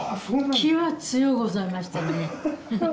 気は強うございましたね。